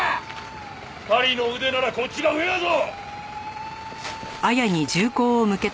狩りの腕ならこっちが上やぞ！